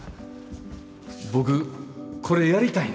僕これやりたいねん。